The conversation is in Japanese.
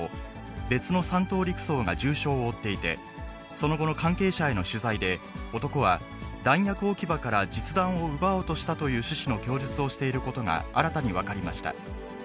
別の３等陸曹が重傷を負っていて、その後の関係者への取材で、男は、弾薬置き場から実弾を奪おうとしたという趣旨の供述をしていることが新たに分かりました。